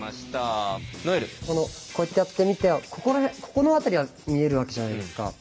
こうやってやってみてここの辺りは見えるわけじゃないですか。